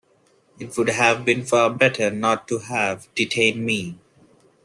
It would have been far better not to have detained me.